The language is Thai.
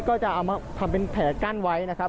ก็จะเอามาทำเป็นแผลกั้นไว้นะครับ